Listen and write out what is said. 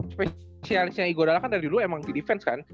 specialistnya igo dalla kan dari dulu emang di defense kan